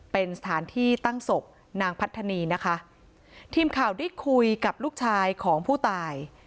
เป็นสถานที่ตั้งศพนางพัฒนีนะคะทีมข่าวได้คุยกับลูกชายของผู้ตาย